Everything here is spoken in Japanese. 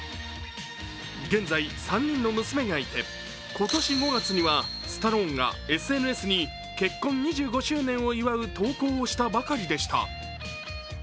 現在３人の娘がいて今年５月にはスタローンがＳＮＳに結婚２５周年を祝う投稿をしたばかりでした。